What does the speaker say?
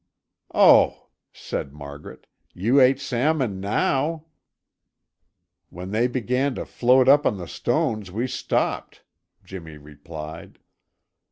"Oh!" said Margaret "You ate salmon now?" "When they began to float up on the stones, we stopped," Jimmy replied.